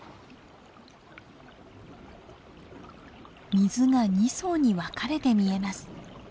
水が２層に分かれて見えます。